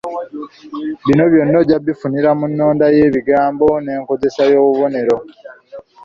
Bino byonna ojja kubifunira mu nnonda ye ey’ebigambo, nenkozesa y’obubonero